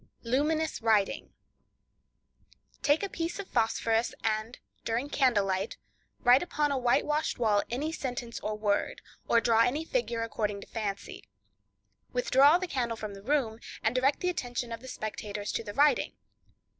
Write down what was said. Luminous Writing.—Take a piece of phosphorus, and, during candle light, write upon a whitewashed wall any sentence or word, or draw any figure according to fancy. Withdraw the candle from the room, and direct the attention of the spectators to the writing.